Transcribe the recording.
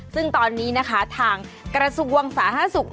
ซึ่งตอนนี้นะคะทางกระทรวงสาธารณสุข